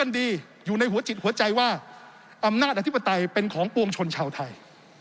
ดีอยู่ในหัวจิตหัวใจว่าอำนาจอธิปไตยเป็นของปวงชนชาวไทย